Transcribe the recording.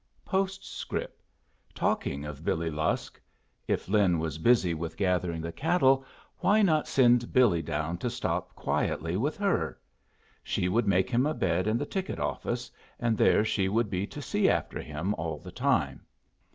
Postscript. Talking of Billy Lusk if Lin was busy with gathering the cattle, why not send Billy down to stop quietly with her. She would make him a bed in the ticket office, and there she would be to see after him all the time.